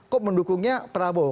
kok mendukungnya prabowo